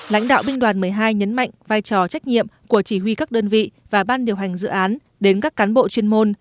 lãnh đạo binh đoàn một mươi hai nhấn mạnh vai trò trách nhiệm của chỉ huy các đơn vị và ban điều hành dự án đến các cán bộ chuyên môn